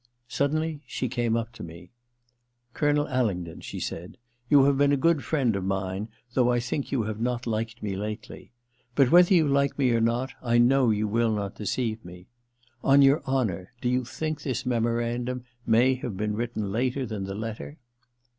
Suddenly she came up to me. * Captain Alingdon,' she said, * you have been a good friend of mine, though I think you have not liked me lately. But whether you like me or not, I know you will not deceive me. On your 256 THE LETTER 11 honour, do you think this memorandum may have been written later than the letter